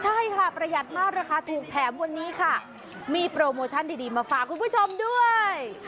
ใช่ค่ะประหยัดมากราคาถูกแถมวันนี้ค่ะมีโปรโมชั่นดีมาฝากคุณผู้ชมด้วย